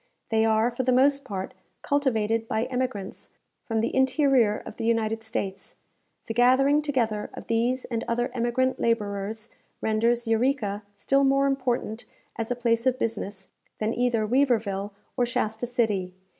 They are, for the most part, cultivated by emigrants from the interior of the United States. The gathering together of these and other emigrant labourers, renders Eureka still more important as a place of business, than either Weaverville or Shasta City.